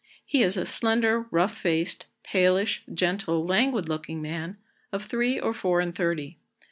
He is a slender, rough faced, palish, gentle, languid looking man, of three or four and thirty.